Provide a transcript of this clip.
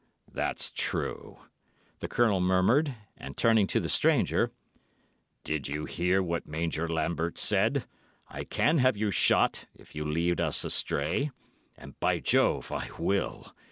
"That's true," the Colonel murmured, and turning to the stranger, "Did you hear what Major Lambert said? I can have you shot, if you lead us astray. And, by Jove, I will.